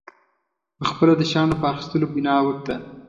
پخپله د شیانو په اخیستلو بنا وکړه.